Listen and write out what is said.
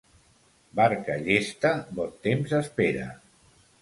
Barca llesta bon temps espera.